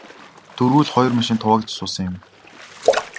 Дөрвүүл хоёр машинд хуваагдаж суусан юм.